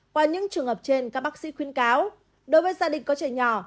qua những trường hợp trên các bác sĩ khuyên cáo đối với gia đình có trẻ nhỏ